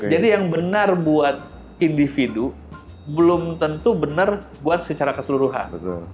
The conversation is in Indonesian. jadi yang benar buat individu belum tentu benar buat secara keseluruhan